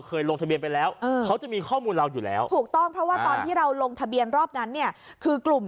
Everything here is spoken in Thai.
เคยลงทะเบียนไปแล้วเขาจะมีข้อมูลรอบอยู่แล้วแต่ว่าเราลงทะเบียนรอบันนี้คือกลุ่ม